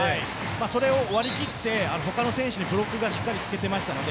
それを割り切って他の選手にブロックがしっかりつけていました。